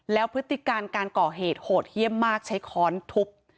แล้วพฤติการการก่อเหตุโหดเยี่ยมมากใช้ค้อนทุบ